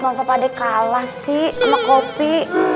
masa pak dea kalah sih sama kopi